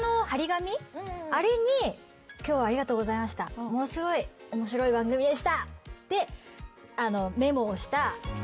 あれに「今日はありがとうございました」「ものすごい面白い番組でした」ってメモをした。